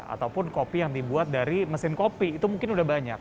ataupun kopi yang dibuat dari mesin kopi itu mungkin sudah banyak